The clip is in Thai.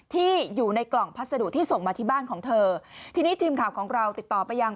ที่อยู่ในกล่องพัสดุที่ส่งมาที่บ้านของเธอทีนี้ทีมข่าวของเราติดต่อไปยัง